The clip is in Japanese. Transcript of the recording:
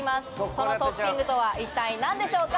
そのトッピングとは一体何でしょうか？